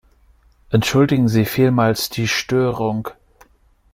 Entschuldigen Sie vielmals die Störung.